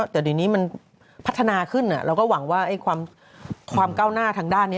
แต่เดี๋ยวนี้มันพัฒนาขึ้นเราก็หวังว่าความก้าวหน้าทางด้านนี้